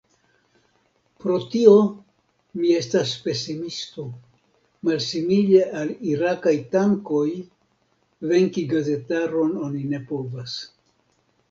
Pro tio mi estas pesimisto: malsimile al irakaj tankoj, venki gazetaron oni ne povas.